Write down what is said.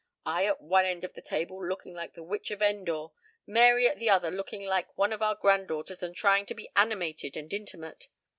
I at one end of the table looking like the Witch of Endor, Mary at the other looking like one of our granddaughters and trying to be animated and intimate.